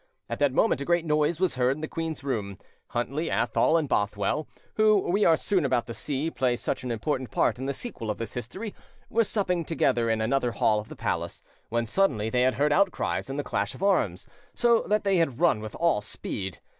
At that moment a great noise was heard in the queen's room. Huntly, Athol, and Bothwell, who, we are soon about to see, play such an important part in the sequel of this history, were supping together in another hall of the palace, when suddenly they had heard outcries and the clash of arms, so that they had run with all speed.